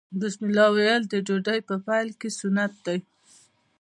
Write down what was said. بسم الله ویل د ډوډۍ په پیل کې سنت دي.